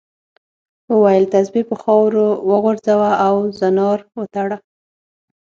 وویل تسبیح په خاورو وغورځوه او زنار وتړه.